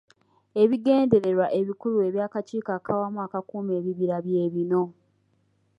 Ebigendererwa ebikulu eby'Akakiiko ak'Awamu Akakuuma Ebibira bye bino.